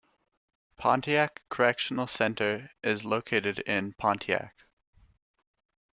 Pontiac Correctional Center is located in Pontiac.